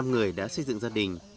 năm người đã xây dựng gia đình